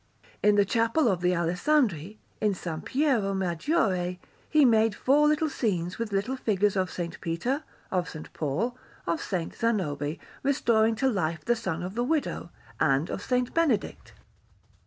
In the Chapel of the Alessandri, in S. Piero Maggiore, he made four little scenes with little figures of S. Peter, of S. Paul, of S. Zanobi restoring to life the son of the widow, and of S. Benedict.